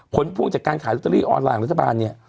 ผลพูดจากการขายโลตเตอรี่ออนไลน์